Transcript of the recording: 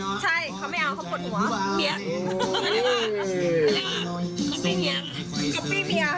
ดูท่าทางฝ่ายภรรยาหลวงประธานบริษัทจะมีความสุขที่สุดเลยนะเนี่ย